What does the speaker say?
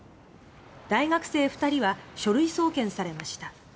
大学生２人は書類送検されました。